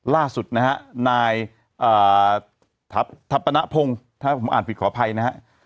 ล่าสุดนะฮะนายทัพปนพงศ์ถ้าผมอ่านผิดขออภัยนะฮะ